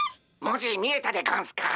文字見えたでゴンスか？